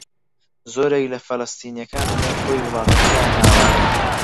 زۆرێک لە فەلەستینییەکان لە نێوخۆی وڵاتەکەیان ئاوارەن.